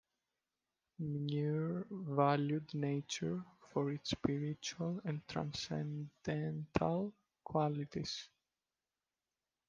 Muir valued nature for its spiritual and transcendental qualities.